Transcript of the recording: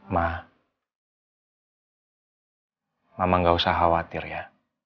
ma mama gak usah khawatir ya